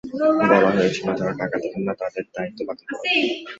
বলা হয়েছিল, যাঁরা টাকা দেবেন না, তাঁদের দায়িত্ব বাতিল করা হবে।